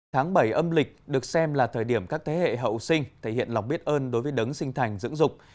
tháng bảy âm lịch được xem là thời điểm các thế hệ hậu sinh thể hiện lòng biết ơn đối với đấng sinh thành dưỡng dục